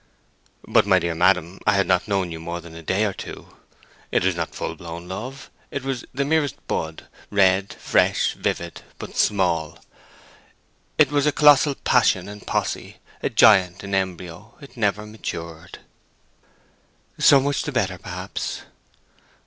"But, my dear madam, I had not known you more than a day or two. It was not a full blown love—it was the merest bud—red, fresh, vivid, but small. It was a colossal passion in posse, a giant in embryo. It never matured." "So much the better, perhaps."